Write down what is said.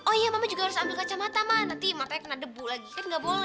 oh iya mama juga harus ambil kacamata mah nanti makanya kena debu lagi kan nggak boleh